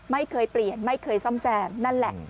ไม่เคยเปลี่ยนไม่เคยซ่อมแซมนั่นแหละ